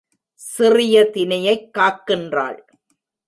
சிறிய தினையைக் காக்கின்றாள்.